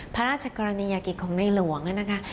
พระราชกรณียกิจของในหลวงนะคะ